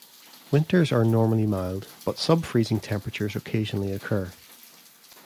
Winters are normally mild but subfreezing temperatures occasionally occur.